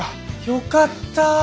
よかったぁ。